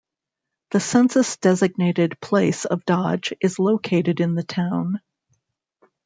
The census-designated place of Dodge is located in the town.